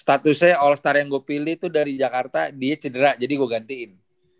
statusnya all star yang gue pilih tuh dari jakarta dia cedera jadi gue gantiin